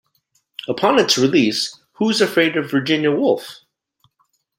Upon its release, Who's Afraid of Virginia Woolf?